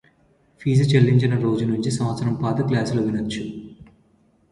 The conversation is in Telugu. ఫీజు చెల్లించిన రోజు నుంచి సంవత్సరం పాటు క్లాసులు వినొచ్చు